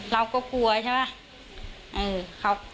เราก็กลัวใช่ปะ